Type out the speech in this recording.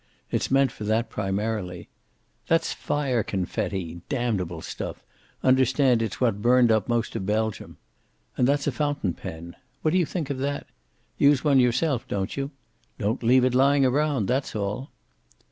It's meant for that, primarily. That's fire confetti damnable stuff understand it's what burned up most of Belgium. And that's a fountain pen. What do you think of that? Use one yourself, don't you? Don't leave it lying around. That's all."